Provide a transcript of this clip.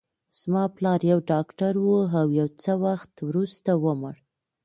زما پلار یو ډاکټر و، او یو څه وخت وروسته ومړ.